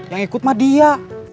yang ikut mah dia